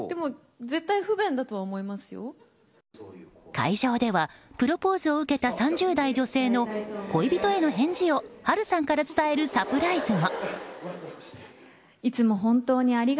会場ではプロポーズを受けた３０代女性の恋人への返事を波瑠さんから伝えるサプライズも。